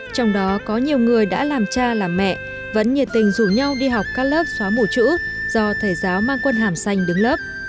trong đó có nhiều người đã làm cha làm mẹ vẫn nhiệt tình rủ nhau đi học các lớp xóa mù chữ do thầy giáo mang quân hàm xanh đứng lớp